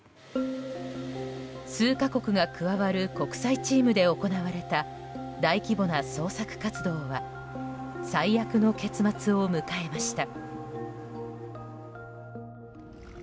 数か国が加わる国際チームで行われた大規模な捜索活動は最悪の結末を迎えました。